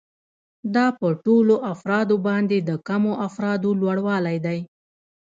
دا په ټولو افرادو باندې د کمو افرادو لوړوالی دی